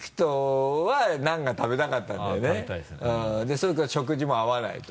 それから食事も合わないと。